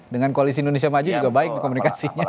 dengan koalisi indonesia maju juga baik komunikasinya